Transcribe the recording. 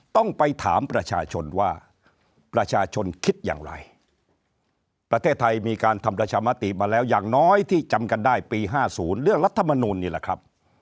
ต้องไปถามประชาชนว่าประชาชนคิดอย่างไรประเทศไทยมีการทำประชามติมาแล้วอย่างน้อยที่จำกันได้ปี๕๐เรื่องรัฐมนูลนี่แหละครับ